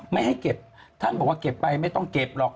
ไม่ให้เก็บท่านบอกว่าเก็บไปไม่ต้องเก็บหรอก